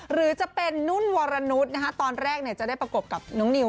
หรือจะเป็นนุ่นวรนุษย์ตอนแรกจะได้ประกบกับน้องนิว